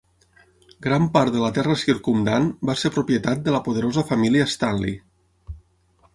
Gran part de la terra circumdant va ser propietat de la poderosa família Stanley.